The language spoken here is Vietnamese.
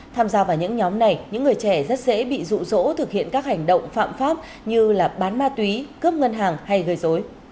tham gia vào những nhóm này những người trẻ rất dễ bị rụ rỗ thực hiện các hành động phạm pháp như bán ma túy cướp ngân hàng hay gây dối